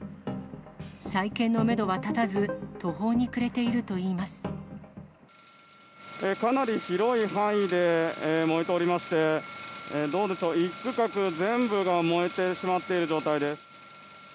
再建のメドは立たず、途方に暮れかなり広い範囲で燃えておりまして、どうでしょう、１区画全部が燃えてしまっている状態です。